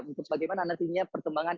untuk bagaimana nantinya perkembangan